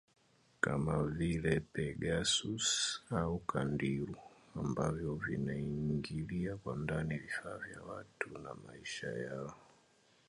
kama vile Pegasus au Candiru ambavyo vinaingilia kwa ndani vifaa vya watu na maisha yao